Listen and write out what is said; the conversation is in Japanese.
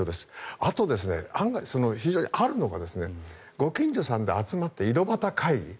あとは案外、非常にあるのがご近所さんで集まって井戸端会議。